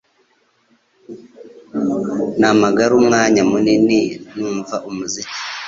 Namaraga umwanya munini numva umuziki.